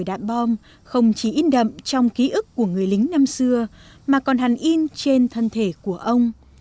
đạn bom không chỉ in đậm trong ký ức của người lính năm xưa mà còn hẳn in trên thân thể của ông